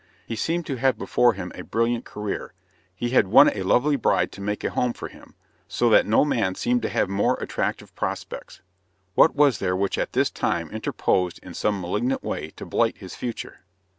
He seemed to have before him a brilliant career. He had won a lovely bride to make a home for him; so that no man seemed to have more attractive prospects. What was there which at this time interposed in some malignant way to blight his future?